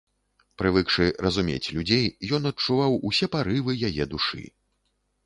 Прывыкшы разумець людзей, ён адчуваў усе парывы яе душы.